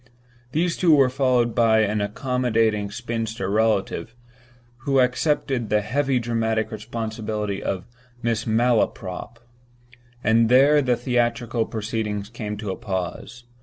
These two were followed by an accommodating spinster relative, who accepted the heavy dramatic responsibility of "Mrs. Malaprop"—and there the theatrical proceedings came to a pause.